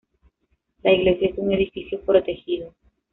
La iglesia es un edificio protegido.